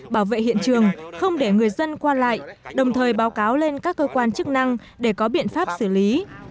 bảo vệ hiện trường không để người dân qua lại đồng thời báo cáo lên các cơ quan chức năng để có biện pháp xử lý